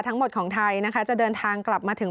ทั้งหมดของไทยนะคะจะเดินทางกลับมาถึง